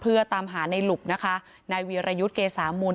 เพื่อตามหาในหลุบนะคะนายวีรยุทธ์เกษามูล